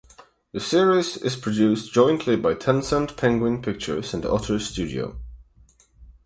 The series is produced jointly by Tencent Penguin Pictures and Otters Studio.